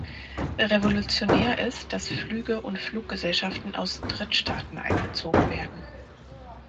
Revolutionär ist, dass Flüge und Fluggesellschaften aus Drittstaaten einbezogen werden.